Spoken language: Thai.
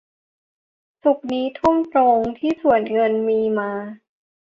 ศุกร์นี้ทุ่มตรงที่สวนเงินมีมา